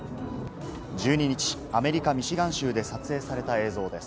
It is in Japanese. １２日、アメリカ・ミシガン州で撮影された映像です。